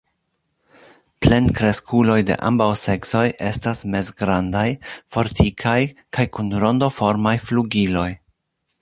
Plenkreskuloj de ambaŭ seksoj estas mezgrandaj, fortikaj kaj kun rondoformaj flugiloj.